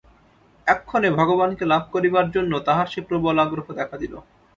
এক্ষণে ভগবানকে লাভ করিবার জন্য তাঁহার সেই প্রবল আগ্রহ দেখা দিল।